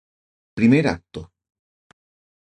Primer Acto.